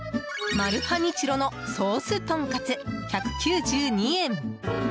マルハニチロのソースとんかつ、１９２円。